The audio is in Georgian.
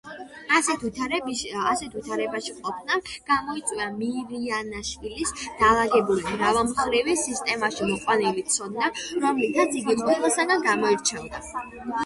ასეთ ვითარებაში ყოფნამ გამოიწვია მირიანაშვილის დალაგებული, მრავალმხრივი, სისტემაში მოყვანილი ცოდნა, რომლითაც იგი ყველასაგან გამოირჩეოდა.